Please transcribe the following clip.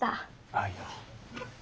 あっいや。